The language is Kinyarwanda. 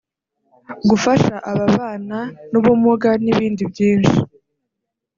gufasha ababana n’ubumuga n’ibindi byinshi